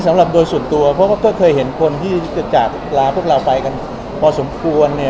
สำหรับโดยส่วนตัวเพราะว่าก็เคยเห็นคนที่จะจากลาพวกเราไปกันพอสมควร